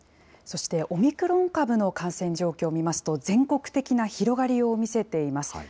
そしてオミクロン株の感染状況を見ますと、全国的な広がりを見せています。